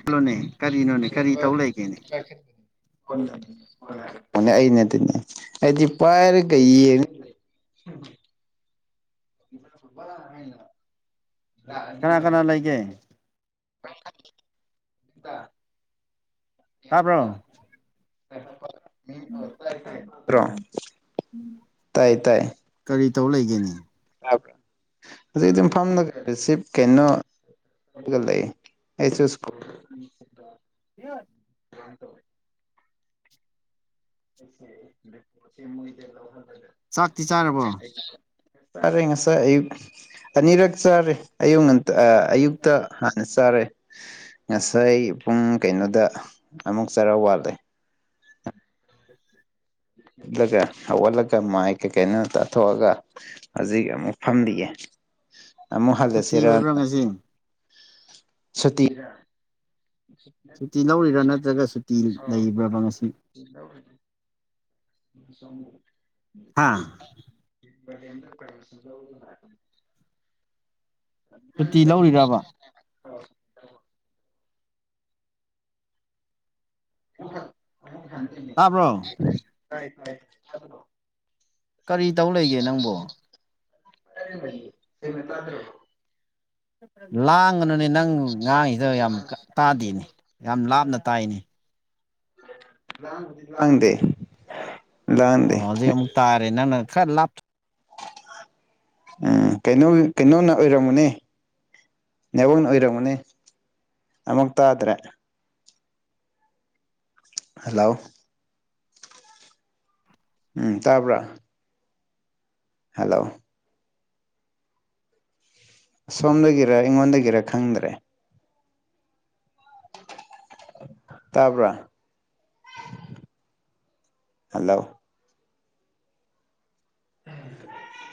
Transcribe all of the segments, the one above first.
ꯍꯜꯂꯣꯅꯦ ꯀꯔꯤꯅꯣꯅꯦ ꯀꯔꯤ ꯇꯧ ꯂꯩꯒꯦꯅꯦ ꯑꯩꯩꯅ ꯑꯗꯨꯅꯦ ꯑꯩꯗꯤ ꯄꯥꯏꯔꯒ ꯌꯦꯡꯉ ꯎꯝ ꯏ ꯐꯨꯠꯣꯜ ꯑꯅꯨꯡꯉꯡꯂ ꯀꯅꯥ ꯀꯅꯥ ꯂꯩꯒꯦ ꯗ ꯍꯥꯥꯕ꯭ꯔꯣ ꯎꯝ ꯎꯝ ꯭ꯔꯣ ꯀꯔꯤ ꯇꯧ ꯂꯩꯒꯦꯅꯤ ꯭ꯔ ꯍꯧꯖꯤꯛ ꯑꯗꯨ ꯏꯝ ꯐꯥꯝꯅꯔꯁꯤꯞ ꯀꯩꯅꯣ ꯦ ꯆ ꯊ ꯇꯣ ꯄꯣꯣꯏꯗ ꯂꯧ ꯆꯥꯛꯇꯤ ꯆꯥꯔꯕꯣ ꯆꯥꯔꯦ ꯉꯁꯥꯏ ꯑꯌꯨꯛ ꯑꯅꯤꯔꯛ ꯆꯥꯔꯦ ꯑꯌꯨꯛ ꯉ ꯑꯌꯨꯛꯇ ꯍꯥꯟꯅ ꯆꯥꯔꯦ ꯉꯁꯥꯏ ꯄꯨꯡ ꯀꯩꯅꯣꯗ ꯑꯃꯨꯛ ꯆꯔꯥ ꯋꯥꯠꯂꯦ [inaudible] ꯎꯠꯂꯒ ꯍꯧꯒꯠꯂꯒ ꯃꯥꯏ ꯀꯩꯀꯩꯅ ꯇꯥꯊꯣꯛꯑꯒ ꯍꯧꯖꯤꯛ ꯑꯃꯨꯛ ꯐꯝꯂꯤꯑ ꯑ ꯃꯣ ꯁꯨꯇꯤ ꯍꯜꯗꯁꯔ ꯑꯣꯏꯕ꯭ꯔꯥ ꯉꯁꯤ ꯁꯇꯤꯔ ꯁꯨꯇꯤ ꯂꯧꯔꯤꯔꯥ ꯅꯠꯇ꯭ꯔꯒ ꯁꯨꯇꯤ ꯂꯩꯕ꯭ꯔꯕ ꯉꯁꯤ ꯎ ꯁ ꯍꯥ ꯀ꯭ꯔ ꯁꯨꯇꯤ ꯂꯧꯔꯤꯔꯕ ꯃ ꯇꯥꯕ꯭ꯔꯣ ꯀꯥꯏ ꯇꯥꯏ ꯀꯔꯤ ꯇꯧ ꯂꯩꯒꯦ ꯅꯪꯕꯨꯣ ꯃꯦ ꯇꯗ꯭ꯔ ꯂꯥꯡꯒꯅꯨꯅꯦ ꯅꯪ ꯉꯥꯡꯁꯤꯗ ꯌꯥꯝ ꯇꯥꯗꯦꯅꯦ ꯌꯥꯝ ꯂꯥꯞꯅ ꯇꯥꯏꯅꯤ ꯂ ꯂꯥꯡꯗꯦ ꯂꯥꯡꯗꯦ ꯑꯣ ꯍꯧꯖꯤꯛ ꯑꯃꯨꯛ ꯇꯥꯔꯦ ꯅꯪꯅ ꯈꯔ ꯂꯥꯞ ꯎꯝ ꯀꯩꯅꯣ ꯀꯩꯅꯣꯅ ꯑꯣꯏꯔꯝꯃꯨꯅꯦ ꯅꯦꯉꯣꯟꯅ ꯑꯣꯏꯔꯝꯃꯅꯤ ꯑꯃꯨꯛ ꯇꯥꯗ꯭ꯔꯦ ꯍꯜꯂꯣ ꯎꯝ ꯇꯥꯕ꯭ꯔꯥ ꯍꯜꯂꯣ ꯁꯣꯝꯗꯒꯤꯔ ꯑꯩꯉꯣꯟꯗꯒꯤꯔ ꯈꯪꯗ꯭ꯔꯦ ꯇꯕ ꯍꯂꯣ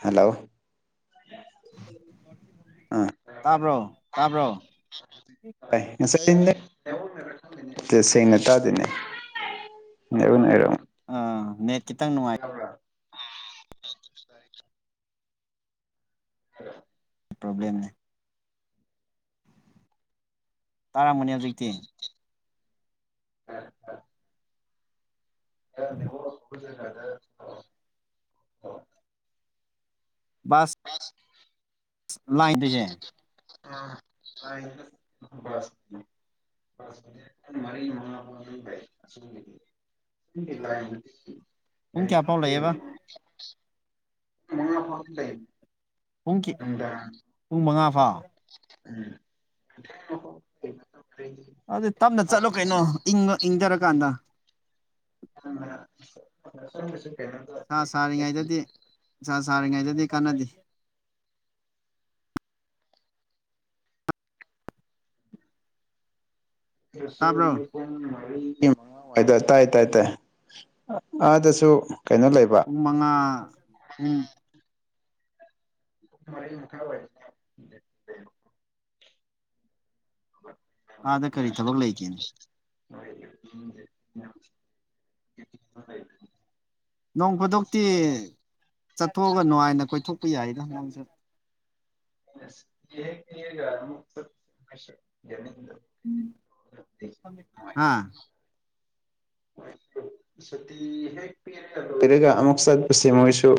ꯍꯜꯂꯣ ꯑꯥ ꯇꯥꯕ꯭ꯔꯣ ꯇꯥꯕ꯭ꯔꯣ [unintelligible] ꯁꯦꯡꯅ ꯇꯥꯗꯦꯅꯦ ꯅꯅꯔꯝ ꯑꯥ ꯅꯦꯠ ꯈꯤꯇꯪ ꯅꯨꯡꯉꯥꯏ [unintelligible] ꯍ ꯇꯥꯕꯔꯣꯅꯦ ꯇꯔꯥꯃꯒꯅꯤ ꯍꯧꯖꯤꯛꯇ [unintelligible] [unintelligible] ꯃꯥꯁ ꯂꯥꯏꯟꯅ ꯑ [unintelligible] ꯔꯤ ꯃꯉ ꯄꯨꯡ ꯀꯌꯥ ꯐꯥꯎ ꯂꯩꯌꯦꯕ ꯐꯕ ꯂꯩ ꯄꯨꯡ ꯅꯨꯡꯗꯥꯡ ꯄꯨꯡ ꯃꯉꯥ ꯐꯥꯎ ꯎꯝ ꯑꯗꯨ ꯇꯞꯅ ꯆꯠꯂꯣ ꯀꯩꯅꯣ ꯏꯪꯉ ꯏꯪꯊꯔꯀꯥꯟꯗ ꯑ ꯁꯥ ꯁꯥꯔꯤꯉꯩꯗꯗꯤ ꯁꯥ ꯁꯥꯔꯤꯉꯩꯗꯗꯤ ꯀꯥꯟꯅꯗꯦ ꯑꯁ ꯇꯥꯕ꯭ꯔꯣ ꯃ ꯍꯣꯏ ꯇꯥꯏ ꯇꯥꯏ ꯇꯥꯏ ꯑꯗꯁꯨ ꯄꯨꯡ ꯃꯉꯥ ꯄꯨꯝ ꯔ ꯃꯊꯥ ꯑꯣꯏ ꯑꯥꯗ ꯀꯔꯤ ꯊꯕꯛ ꯂꯩꯒꯦꯅꯤ ꯅꯨꯡ ꯅꯣꯡ ꯈꯨꯗꯣꯛꯛꯇꯤ ꯆꯠꯊꯣꯛꯑꯒ ꯅꯨꯡꯉꯥꯏꯅ ꯀꯣꯏꯊꯣꯛꯄ ꯌꯥꯏꯗ ꯅꯪꯁ ꯍ ꯍꯥꯥ ꯄꯤꯔꯒ ꯑꯃꯨꯛ ꯆꯠꯄꯁꯦ ꯃꯣꯏꯁꯨ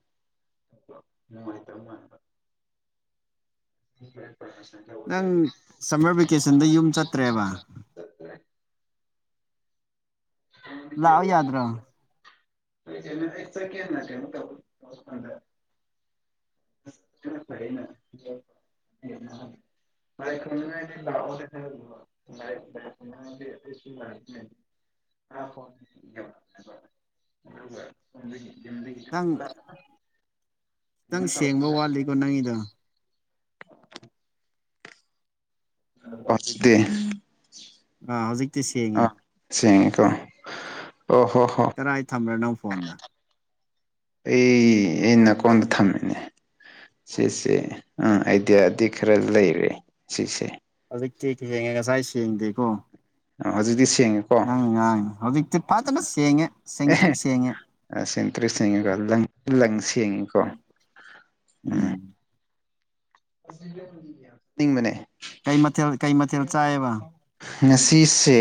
[unintelligible] ꯍꯅꯨꯡꯥꯏꯇꯅꯨꯡ ꯎ ꯅꯪ ꯁꯝꯃꯔ ꯚꯦꯀꯦꯁꯟꯗ ꯌꯨꯝ ꯆꯠꯇ꯭ꯔꯦꯕ ꯂꯥꯛꯑꯣ ꯌꯥꯗ꯭ꯔꯣ ꯀ [unintelligible] ꯐꯔꯦꯅ ꯂꯗꯤ [unintelligible] ꯑ ꯍ ꯈꯤꯇꯪ ꯑꯗꯨꯒ ꯈꯤꯇꯪ ꯁꯦꯡꯕ ꯋꯥꯠꯂꯤꯀꯣ ꯅꯪꯒꯤꯗ ꯐꯖꯗꯦ ꯑꯥ ꯍꯧꯖꯤꯛꯇꯤ ꯁꯦꯡꯉꯦ ꯑꯥ [inaudible] ꯍꯣ ꯀꯗꯥꯥꯏ ꯊꯝꯕ꯭ꯔꯣ ꯅꯪ ꯐꯣꯟꯗ ꯑꯩ ꯑꯩ ꯅꯥꯀꯣꯟꯗ ꯊꯝꯃꯤꯅꯦ ꯁꯤꯁꯦ ꯑꯥ ꯑꯥꯏꯗꯤꯌꯥꯗꯤ ꯈꯔ ꯂꯩꯔꯦ ꯁꯤꯁꯦ ꯀꯩ ꯀꯦꯛ ꯍꯦꯡꯉꯦ ꯉꯁꯥꯏ ꯁꯦꯡꯗꯦꯀꯣ ꯍꯧꯖꯤꯗꯤ ꯉꯥꯡ ꯍꯧꯖꯤꯛꯇ ꯄꯥꯇꯅ ꯁꯦꯡꯉ ꯁꯦꯡꯉꯠꯇꯔꯤ ꯁꯦꯡꯉ ꯑ ꯁꯦꯡ ꯇꯔꯔꯤꯠ ꯁꯦꯡꯉꯤꯀꯣ ꯂꯪ ꯁꯦꯡꯉꯤꯀꯣ ꯎꯝ ꯑꫯꯡꯕꯅꯦ ꯀꯩ ꯃꯊꯦꯜ ꯀꯩ ꯃꯊꯦꯜ ꯆꯥꯏꯌꯦꯕ ꯉꯁꯤꯁꯦ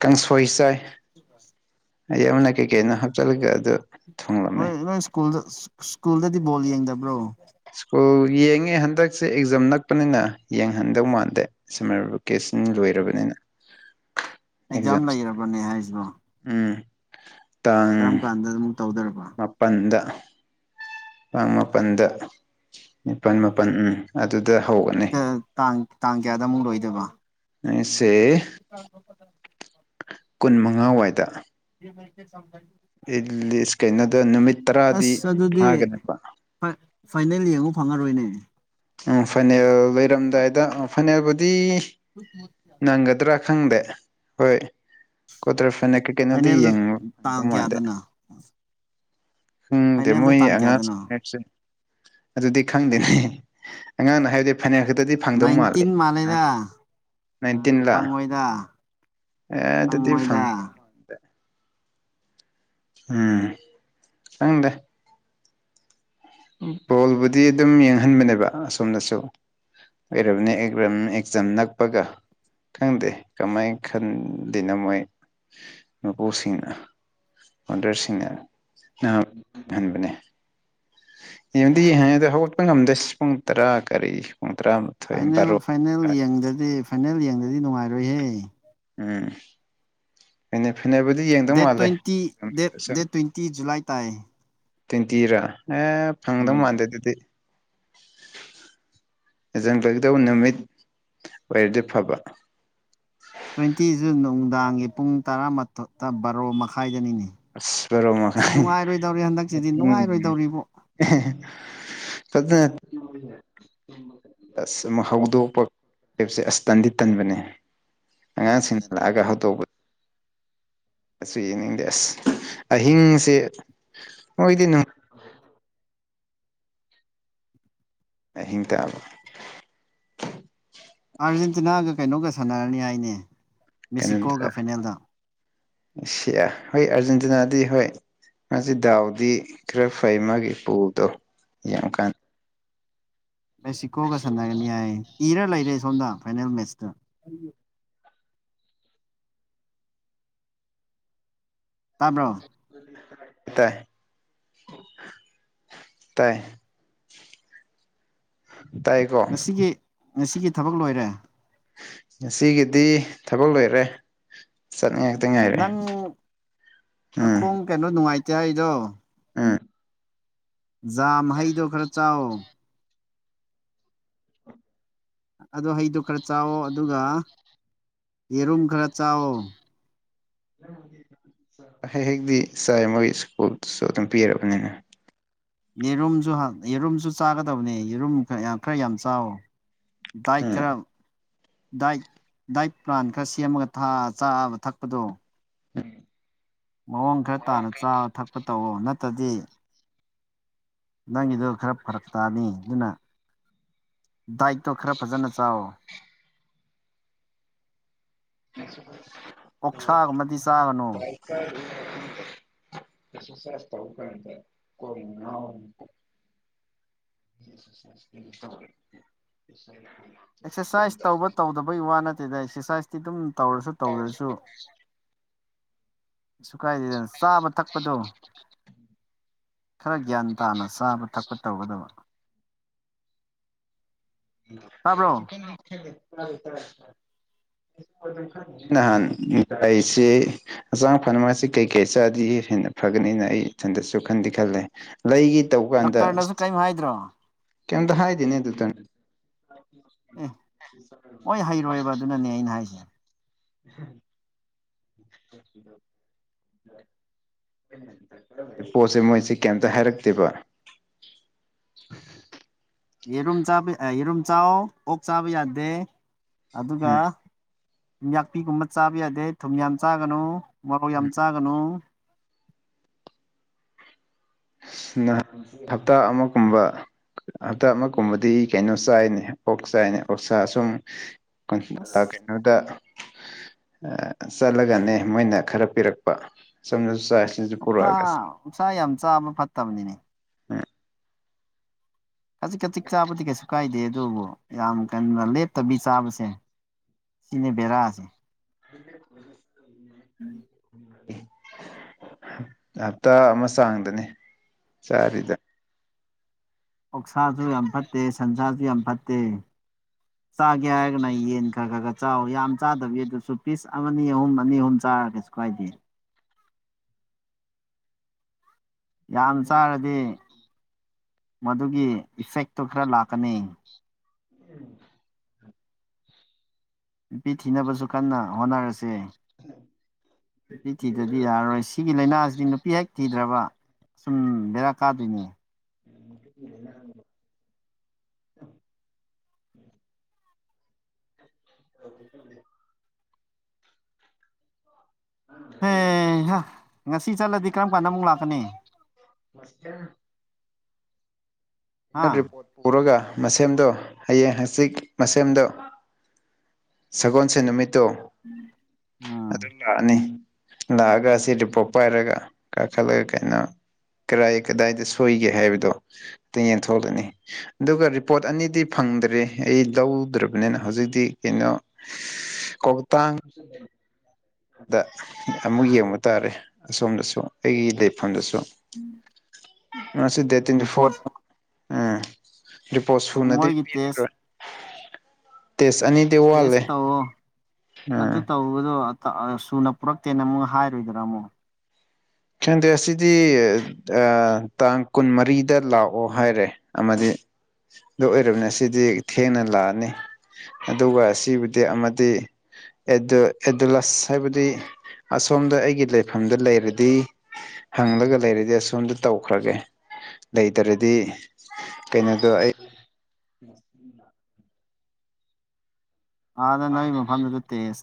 ꯀꯥꯡꯁꯣꯏ ꯆꯥꯏ ꯁꯤꯁ ꯌꯧꯅꯥ ꯀꯦ ꯀꯦꯩꯅ ꯍꯥꯞꯇꯜꯒ ꯑꯗꯨ ꯍꯣꯏ ꯊꯣꯡꯂꯝꯃꯦ ꯅꯣꯏ ꯁ꯭ꯀꯨꯜꯗ ꯁ꯭ꯀꯨꯜꯗꯗꯤ ꯕꯣꯜ ꯌꯦꯡꯗꯕ꯭ꯔꯣ ꯁꯀꯣꯜ ꯌꯦꯡꯉꯦ ꯍꯟꯗꯛꯁꯦ ꯑꯦꯛꯖꯥꯝ ꯅꯛꯄꯅꯤꯅ ꯌꯦꯡꯍꯟꯗꯧ ꯃꯥꯟꯗꯦ ꯁꯝꯃꯔ ꯚꯦꯀꯦꯁꯟ ꯂꯣꯏꯔꯕꯅꯤꯅ ꯑꯦꯛꯖꯥꯝ ꯂꯩꯔꯕꯅꯦ ꯍꯥꯏꯁꯤꯕ ꯎꯝ ꯀꯔꯝ ꯀꯥꯟꯗ ꯇꯧꯗꯣꯔꯕ ꯃꯥꯄꯟꯗ ꯄꯥꯥꯡ ꯃꯥꯄꯜꯗ ꯅꯤꯄꯥꯜ ꯃꯥꯄꯜ ꯎꯝ ꯑꯗꯨ ꯇꯥꯡ ꯇꯥꯡ ꯀꯌꯥꯗ ꯑꯃꯨꯛ ꯂꯣꯏꯗꯕ ꯑꯁꯦ ꯀꯨꯟ ꯃꯉꯥꯋꯥꯏꯗ ꯆꯝꯖ ꯂꯤꯁ ꯀꯩꯅꯣꯗ ꯅꯨꯃꯤꯠ ꯇꯔꯥꯗꯤ ꯊꯥꯒꯅꯦꯕ ꯐꯥꯏꯅꯦꯜꯂꯤ ꯌꯦꯡꯉꯨꯛ ꯐꯪꯉꯔꯣꯏꯅꯦ ꯎꯝ ꯐꯅꯜ ꯂꯩꯔꯝꯗꯥꯏꯗ ꯐꯅꯦꯜꯕꯨꯗꯤ ꯅꯪꯒꯗ꯭ꯔꯥ ꯈꯪꯗꯦ ꯍꯣꯏ ꯀꯣꯗ꯭ꯔ ꯐꯅ ꯀ꯭ꯔꯤꯀꯦꯠꯅꯗꯤ ꯐꯥꯏꯅꯦꯜꯗ ꯌꯦꯡꯕ ꯇꯥꯡ ꯐꯪꯗꯧ ꯃꯥꯟꯗꯦ ꯀꯌꯥꯗꯅꯣ ꯈꯪꯗꯦ ꯐꯥꯏꯅꯦꯜꯗ ꯃꯣꯏ ꯇꯥꯡ ꯀꯌꯥꯗꯅꯣ ꯑꯉꯥꯡꯁꯤꯡ ꯍꯥꯏꯔꯤꯁꯦ ꯑꯗꯨꯗꯤ ꯈꯪꯗꯦꯅꯤ ꯑꯉꯥꯡꯅ ꯍꯥꯏꯗꯤ ꯐꯅꯦꯛ ꯈꯛꯇꯗꯤ ꯐꯪꯗꯧ ꯃꯥꯜꯂꯦ ꯅꯥꯏꯟꯇꯤꯟ ꯑ ꯃꯥꯜꯂꯦꯗ ꯅꯥꯏꯟꯇꯤꯟ ꯂꯥꯛ ꯐꯪꯉꯣꯏꯗ ꯑꯦ ꯑꯗꯨꯗꯤ ꯐꯪꯉꯣꯏꯗ ꯐꯗꯗ ꯎꯝ ꯆꯪꯗꯦ ꯕꯣꯜꯕꯨꯗꯤ ꯑꯗꯨꯝ ꯌꯦꯡꯍꯟꯕꯅꯦꯕ ꯑꯁꯣꯝꯅꯁꯨ ꯑꯣꯏꯔꯕꯅꯦ ꯑꯦꯛꯆꯝ ꯅꯛꯄꯒ ꯈꯪꯗꯦ ꯀꯃꯥꯏꯅ ꯈꯟꯗꯅꯣ ꯃꯣꯏ ꯃꯄꯨꯁꯤꯡꯅ ꯑꯣꯥꯎꯗꯔꯁꯤꯡꯅꯥꯛꯪꯍꯟꯕꯅꯦ ꯌꯦꯡꯗꯤ ꯌꯦꯡ ꯍꯥꯏꯗ ꯍꯧꯒꯠꯄ ꯉꯝꯗꯦꯁ ꯄꯨꯡ ꯇꯔꯥ ꯀꯔꯤ ꯄꯨꯡ ꯇꯔꯥꯃꯥꯊꯣꯏ ꯐꯥꯏꯅꯦꯜ ꯕꯥꯔꯣ ꯐꯥꯏꯅꯦꯜ ꯌꯦꯡꯗꯗꯤ ꯐꯥꯏꯅꯦꯜ ꯌꯦꯡꯗꯗꯤ ꯅꯨꯡꯉꯥꯏꯔꯣꯏꯍꯦ ꯎꯝ ꯑꯩꯅ date twenty date date twenty July ꯇꯥꯏ ꯇ꯭ꯋꯦꯟꯇꯤꯔꯥ ꯑꯦ ꯐꯪꯗꯧ ꯎꯝ ꯃꯥꯟꯗꯦ ꯑꯗꯨꯗꯤ [inaudible] ꯖꯪ ꯀꯗꯧꯕ ꯅꯨꯃꯤꯠ ꯑꯣꯏꯔꯗꯤ ꯐꯕ ꯇ꯭ꯋꯦꯟꯇꯤꯁꯨ ꯅꯨꯡꯗꯥꯡꯒꯤ ꯄꯨꯡ ꯇꯔꯥꯃꯊꯛꯇ ꯕꯥꯔꯣ ꯃꯈꯥꯏꯗꯅꯤꯅꯤ ꯑꯁꯔꯣ ꯃꯈꯝ ꯍꯟꯗꯛꯁꯤꯗꯤ ꯅꯨꯡꯉꯥꯏꯔꯣꯏꯗꯧꯔꯤꯕꯣ ꯁ ꯍꯥꯎꯗꯣ ꯄ ꯀꯦꯞꯁꯦ ꯑꯁ ꯇꯟꯗꯤ ꯇꯟꯕꯅꯦ ꯑꯉꯥꯡꯁꯤꯡꯅ ꯂꯥꯛꯑꯒ ꯍꯧꯗꯣꯛꯧꯕꯗ ꯑꯠꯁꯨ ꯌꯦꯡꯅꯤꯡꯗꯦ ꯑꯁ ꯑꯍꯤꯡꯁꯦ ꯃꯣꯏꯗꯤ ꯅꯨꯡ ꯑꯍꯤꯡ ꯇꯕ ꯑꯥꯔꯖꯦꯟꯇꯤꯅꯥꯒ ꯀꯩꯅꯣꯒ ꯁꯥꯟꯅꯔꯅꯤ ꯍꯥꯏꯅꯦ ꯃꯦꯛꯁꯤꯀꯣꯒ ꯐꯥꯏꯅꯦꯜꯗ ꯑꯦꯁꯤꯌꯥ ꯍꯣꯏ ꯑꯥꯔꯖꯦꯟꯇꯤꯅꯥꯗꯤ ꯍꯣꯏ ꯃꯥꯁꯤ ꯗꯥꯎꯗꯤ ꯈꯔ ꯐꯩ ꯃꯥꯒꯤ ꯄꯨꯗꯣ ꯌꯥꯝ ꯀꯥꯟ ꯃꯦꯛꯁꯤꯀꯣꯒ ꯁꯥꯟꯅꯒꯅꯤ ꯍꯥꯏ ꯏꯔ ꯂꯩꯔꯦ ꯁꯣꯝꯗ ꯐꯥꯏꯅꯦꯜ ꯃꯦꯠꯁꯇꯨ ꯇꯥꯕ꯭ꯔꯣ ꯇꯥꯏ ꯇꯥꯏ ꯇꯥꯏꯀꯣ ꯉꯁꯤꯒꯤ ꯉꯁꯤꯒꯤ ꯊꯕꯛ ꯂꯣꯏꯔꯦ ꯉꯁꯤꯒꯤꯗꯤ ꯊꯕꯛ ꯂꯣꯏꯔꯦ ꯆꯠꯅꯤ ꯉꯥꯛꯇ ꯉꯥꯏꯔꯦ ꯅꯪ ꯎꯝ ꯃꯈꯣꯡ ꯀꯩꯅꯣ ꯅꯨꯡꯉꯥꯏꯇꯦ ꯑꯩꯗꯣ ꯑꯥ ꯖꯥꯝ ꯍꯩꯗꯣ ꯈꯔ ꯆꯥꯑꯣ ꯑꯗꯨ ꯍꯩꯗꯣ ꯈꯔ ꯆꯥꯎꯥꯛꯋꯣ ꯑꯗꯨꯒ ꯌꯦꯔꯨꯝ ꯈꯔ ꯆꯥꯎꯋꯣ ꯍ ꯍꯦꯛꯛꯇ ꯆꯥꯏ ꯃꯣꯏ ꯁꯀꯣꯁꯨ ꯑꯗꯨꯝ ꯄꯤꯔꯕꯅꯤꯅ ꯌꯦꯔꯨꯝꯁꯨ ꯌꯦꯔꯨꯝꯁꯨ ꯆꯥꯒꯗꯕꯅꯦ ꯌꯦꯔꯨꯝ ꯈꯔ ꯌꯥꯝ ꯆꯥꯎꯋ ꯗꯥꯏ ꯎꯝ ꯈꯔꯝ ꯗꯥꯏ ꯗꯥꯏꯠ ꯄ꯭ꯂꯥꯟ ꯈꯔ ꯁꯦꯝꯃꯒ ꯆꯥꯕ ꯊꯛꯄꯗꯣ ꯎꯝ ꯃꯑꯣꯡ ꯈꯔ ꯇꯥꯅ ꯆꯥꯕ ꯊꯛꯄ ꯇꯧꯑꯣ ꯅꯠꯇ꯭ꯔꯗꯤ ꯅꯪꯒꯤꯗꯣ ꯈꯔ ꯐꯔꯛ ꯇꯥꯅꯤ ꯑꯗꯨꯅ ꯗꯥꯏꯛꯇꯣ ꯈꯔ ꯐꯖꯅ ꯆꯥꯎ [inaudible] ꯊꯥꯃꯗꯤ ꯆ ꯀ [unintelligible] [inaudible] ꯑꯦꯛꯁꯥꯁꯥꯏꯆ ꯇꯧꯅꯀꯥꯟꯗ ꯀꯣꯛꯁꯦ ꯉꯧꯔꯤꯅꯦ [unintelligible] ꯑꯦꯛꯁꯔꯁꯥꯏꯁ ꯇꯧꯕ ꯇꯧꯗꯕꯩ ꯋꯥ ꯅꯠꯇꯦꯗ ꯑꯦꯛꯁꯔꯁꯥꯏꯖꯇꯤ ꯑꯗꯨꯝ ꯇꯧꯔꯁꯨ ꯇꯧꯗ꯭ꯔꯁꯨ [unintelligible] ꯁꯨ ꯀꯥꯏꯗꯦꯗꯅ ꯆꯥꯕ ꯊꯛꯄꯗꯣ ꯈꯔ ꯒ꯭ꯌꯥꯟ ꯇꯥꯅ ꯆꯥꯕ ꯊꯛꯄ ꯇꯧꯒꯗꯕ ꯇꯥꯕ꯭ꯔꯣ [unintelligible] ꯅꯍꯥꯟ ꯀꯩꯁꯤꯦ ꯉꯥꯡ ꯐꯔꯃꯥꯁꯤ ꯀꯩ ꯀꯩ ꯆꯗꯤ ꯍꯦꯟꯅ ꯐꯒꯅꯤꯅ ꯑꯩ ꯏꯊꯟꯗꯁꯨ ꯈꯟꯗꯤ ꯈꯜꯂꯦ ꯂꯩꯒꯤ ꯗꯥꯛꯇꯔꯅꯁꯨ ꯀꯔꯤꯝ ꯍꯥꯏꯗ꯭ꯔꯣ ꯀꯝꯇ ꯍꯥꯏꯗꯅꯦꯅꯤ ꯑꯗꯨ ꯇ ꯑꯦ ꯍꯣꯏ ꯍꯩꯔꯣꯏꯕ ꯑꯗꯨꯅꯅꯦ ꯑꯩꯅ ꯍꯥꯏꯁꯦ [inaudible] ꯄꯣꯠꯁꯦ ꯃꯣꯏꯁꯤ ꯀꯩꯇ ꯍꯥꯏꯔꯛꯇꯦꯕ [inaudible] ꯌꯦꯔꯨꯝ ꯆꯥꯕ ꯌꯦꯔꯨꯝ ꯆꯥꯎ ꯑꯣꯛ ꯆꯥꯕ ꯌꯥꯗꯦ ꯑꯗꯨꯒ ꯎꯝ ꯌꯥꯛꯄꯤꯒꯨꯝꯕ ꯆꯥꯕ ꯌꯥꯗꯦ ꯊꯨꯝ ꯌꯥꯝ ꯆꯥꯒꯅꯨ ꯃꯔꯧ ꯌꯥꯝ ꯆꯥꯒꯅꯨ ꯅꯍ ꯍꯞꯇꯥ ꯑꯃꯒꯨꯝꯕ ꯍꯞꯇꯥ ꯑꯃ ꯀꯨꯝꯕꯗꯤ ꯀꯩꯅꯣ ꯆꯥꯏꯅꯦ ꯑꯣꯛ ꯆꯥꯏꯅꯦ ꯑꯣꯛꯁꯥ ꯑ ꯁꯁꯨꯝ ꯀ ꯑꯁ ꯀꯩꯅꯣꯗ ꯆꯠꯂꯒꯅꯦ ꯃꯣꯏꯅ ꯈꯔ ꯄꯤꯔꯛꯄ ꯁꯝꯅ ꯎꯥꯛ ꯎꯛꯁꯥ ꯌꯥꯝ ꯆꯥꯕ ꯐꯠꯇꯕꯅꯤꯅꯦ ꯎꯝ ꯀꯖꯤꯛ ꯀꯖꯤꯛ ꯆꯥꯕꯗꯤ ꯀꯩꯁꯨ ꯀꯥꯏꯗꯦ ꯑꯗꯨꯕꯨ ꯌꯥꯝ ꯀꯩꯅꯣꯗ ꯂꯦꯞꯇꯕꯤ ꯆꯥꯕꯁꯦ ꯁꯤꯅꯦ ꯕꯦꯔꯥꯁꯦ ꯎꯝ [unintelligible] ꯎꯝ ꯍꯞꯇꯥ ꯑꯃ ꯆꯥꯡꯗꯅꯤ ꯆꯥꯔꯤꯗ ꯑꯣꯛꯁꯥꯁꯨ ꯌꯥꯝ ꯐꯠꯇꯦ ꯁꯟꯁꯥꯁꯨ ꯌꯥꯝ ꯐꯠꯇꯦ ꯆꯥꯒꯦ ꯍꯥꯏꯔꯒꯅ ꯌꯦꯟ ꯈꯔ ꯈꯔ ꯈꯔ ꯆꯥꯎ ꯌꯥꯝ ꯆꯥꯗꯕꯤ ꯑꯗꯨꯁꯨ ꯄꯤꯁ ꯑꯃ ꯑꯅꯤ ꯑꯍꯨꯝ ꯑꯅꯤ ꯑꯍꯨꯝ ꯆꯥ ꯆꯔꯗꯤ ꯀꯩꯁꯨꯀꯥꯏꯗꯦ ꯌꯥꯝ ꯆꯥꯔꯗꯤ ꯃꯗꯨꯒꯤ ꯏꯐꯦꯛꯇꯨ ꯈꯔ ꯂꯥꯛꯀꯅꯤ ꯅꯨꯄꯤ ꯊꯤꯅꯕꯁꯨ ꯀꯟꯅ ꯍꯣꯠꯅꯔꯁꯦ ꯅꯨꯄꯤ ꯊꯤꯗꯗꯤ ꯌꯥꯔꯔꯣꯏ ꯁꯤꯒꯤ ꯂꯩꯅꯥꯁꯤ ꯍꯧꯖꯤꯛ ꯅꯨꯄꯤ ꯍꯦꯛ ꯊꯤꯗ꯭ꯔꯕ ꯑꯁꯨꯝ ꯕꯦꯔꯥ ꯀꯥꯗꯣꯏꯅꯦ ꯎꯝ [inaudible] ꯍꯩꯍꯥ ꯉꯁꯤ ꯆꯠꯂꯗꯤ ꯀꯔꯝ ꯀꯥꯟꯗ ꯑꯃꯨꯛ ꯂꯥꯛꯀꯅꯤ ꯃꯁꯦꯝ ꯍꯥ ꯑꯩꯅ ꯔꯤꯄꯣꯔꯠ ꯄꯨꯔꯒ ꯃꯁꯦꯝꯗꯣ ꯍꯌꯦꯡ ꯍꯪꯆꯤꯠ ꯃꯁꯦꯝꯗꯣ ꯁꯒꯣꯜꯁꯦꯜ ꯅꯨꯃꯤꯠꯇꯣ ꯎꯝ ꯑꯗꯨꯝ ꯂꯥꯛꯑꯅꯤ ꯂꯥꯛꯑꯒ ꯑꯁꯤ ꯔꯤꯄꯣꯔꯠ ꯄꯥꯏꯔꯒ ꯀꯥꯈꯠꯂꯒ ꯀꯩꯅꯣ ꯀꯗꯥꯏ ꯀꯗꯥꯏꯗ ꯁꯣꯏꯒꯦ ꯍꯥꯏꯕꯗꯣ ꯌꯦꯡꯊꯣꯛꯂꯅꯤ ꯑꯗꯨꯒ ꯔꯤꯄꯣꯔꯠ ꯑꯅꯤꯗꯤ ꯐꯪ ꯐꯪꯗ꯭ꯔꯦ ꯑꯩ ꯂꯧꯗ꯭ꯔꯕꯅꯤꯅ ꯍꯧꯖꯤꯛꯇꯤ ꯀꯩꯅꯣ ꯀꯣꯛꯇꯥꯡ ꯗ ꯑꯃꯨꯛ ꯌꯦꯡꯕ ꯇꯥꯔꯦ ꯑꯁꯣꯝꯗꯁꯨ ꯑꯩꯒꯤ ꯂꯩꯐꯝꯗꯁꯨ ꯎꯝ ꯉꯁꯤ ꯗꯦꯠ ꯇ꯭ꯋꯦꯟꯇꯤ ꯐꯣꯔ ꯎꯝ ꯔꯤꯄꯣꯔꯠ ꯁꯨꯅꯗꯤ ꯃꯣꯏꯒꯤ ꯇꯦꯁ ꯄꯤꯔꯔꯣꯏ ꯇꯦꯁ ꯑꯅꯤꯗꯤ ꯇꯦꯁ ꯋꯥꯠꯂꯦ ꯇꯧꯑꯣ ꯑꯗꯨ ꯎꯝ ꯇꯧꯕꯗꯣ ꯁꯨꯅ ꯄꯨꯔꯛꯇꯦꯅ ꯑꯃꯨꯛ ꯍꯥꯏꯔꯣꯏꯗꯔꯥ ꯑꯃꯨꯛ ꯈꯪꯗꯦ ꯑꯁꯤꯗꯤ ꯇꯥꯡ ꯀꯨꯟꯃꯔꯤꯗ ꯂꯥꯛꯑꯣ ꯍꯥꯏꯔꯦ ꯑꯃꯗꯤ ꯑꯗꯨ ꯑꯣꯏꯔꯕꯅꯤꯅ ꯁꯤꯗꯤ ꯊꯦꯡꯅ ꯂꯥꯛꯑꯅꯤ ꯑꯗꯨꯒ ꯁꯤꯕꯨꯗꯤ ꯑꯃꯗꯤ ꯑꯦꯗꯨꯂꯁ ꯍꯥꯏꯕꯗꯤ ꯑꯁꯣꯝꯗ ꯑꯩꯒꯤ ꯂꯩꯐꯝꯗ ꯂꯩꯔꯗꯤ ꯍꯪꯂꯒ ꯂꯩꯔꯗꯤ ꯑꯁꯣꯝꯗ ꯇꯧꯈ꯭ꯔꯒꯦ ꯂꯩꯇ꯭ꯔꯗꯤ ꯀꯩꯅꯣꯗꯣ ꯑꯩ ꯑꯥꯗ ꯅꯣꯏꯒꯤ ꯃꯐꯝꯗꯨꯗ ꯇꯦꯖ